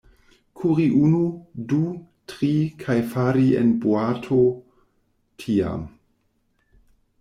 Kuri unu, du, tri, kaj fari en boato tiam.